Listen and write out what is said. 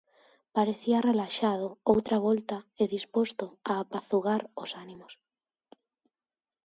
Parecía relaxado outra volta e disposto a apazugar os ánimos.